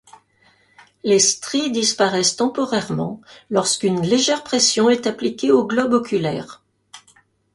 Les stries disparaissent temporairement lorsqu'une légère pression est appliquée au globe oculaire.